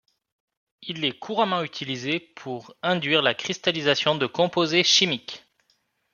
Il est couramment utilisé pour induire la cristallisation de composés chimiques.